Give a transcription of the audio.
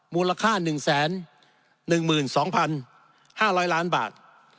มูลค่า๑๑๒๕๐๐ล้านบาท